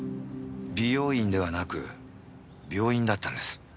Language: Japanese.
美容院ではなく病院だったんです。